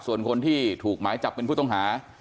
ส่วนคนที่ถูกหมายจับเป็นผู้ต้องหา